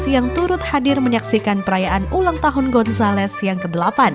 yang turut hadir menyaksikan perayaan ulang tahun gonzalez yang ke delapan